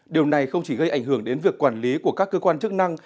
điều này không chỉ gây ảnh hưởng đến việc quản lý của các cơ quan chức năng